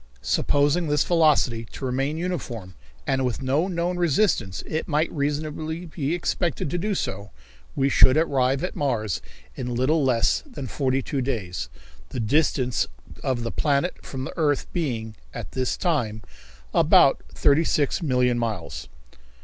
Supposing this velocity to remain uniform, and, with no known resistance, it might reasonably be expected to do so, we should arrive at Mars in a little less than forty two days, the distance of the planet from the earth being, at this time, about thirty six million miles.